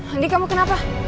andi kamu kenapa